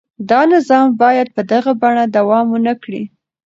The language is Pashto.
دا نظام باید په دغه بڼه دوام ونه کړي.